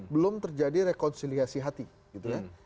belum terjadi rekonsiliasi hati gitu ya